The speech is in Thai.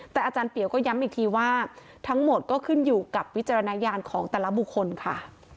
แต่อาจารย์เปียวก็ย้ำอีกทีว่าทั้งหมดก็ขึ้นอยู่กับวิจารณญาณของแต่ละบุคคลค่ะ